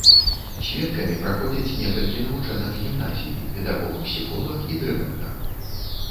Сведкамі праходзяць некалькі навучэнак гімназіі, педагог-псіхолаг і дырэктар.